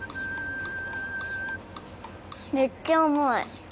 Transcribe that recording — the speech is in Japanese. めっちゃあまい。